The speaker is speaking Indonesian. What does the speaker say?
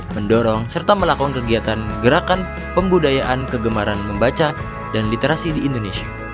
mendorong serta melakukan kegiatan gerakan pembudayaan kegemaran membaca dan literasi di indonesia